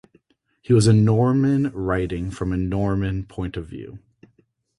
He was a Norman writing from a Norman point of view.